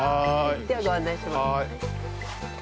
では、ご案内します。